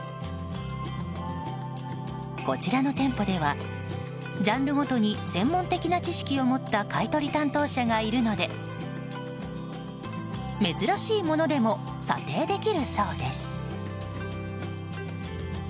こちらの店舗ではジャンルごとに専門的な知識を持った買い取り担当者がいるので珍しいものでも査定できるそうです。